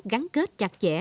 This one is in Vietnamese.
gắn kết chặt chẽ